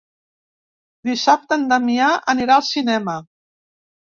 Dissabte en Damià anirà al cinema.